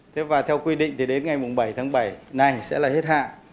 thế và theo quy định thì đến ngày bảy tháng bảy này sẽ là hết hạn